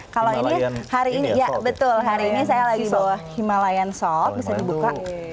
kalau ini hari ini ya betul hari ini saya lagi bawa himalayan sol bisa dibuka